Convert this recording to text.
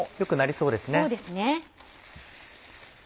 そうですね。